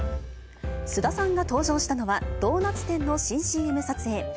菅田さんが登場したのは、ドーナツ店の新ＣＭ撮影。